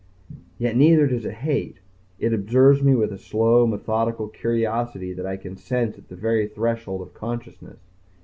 Yet neither does it hate. It observes me with a slow, methodical curiosity that I can sense at the very threshold of consciousness.